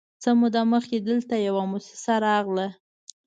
_څه موده مخکې دلته يوه موسسه راغله،